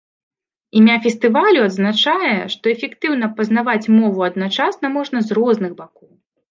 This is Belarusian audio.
Імя фестывалю адзначае, что эфектыўна пазнаваць мову адначасна можна з розных бакоў.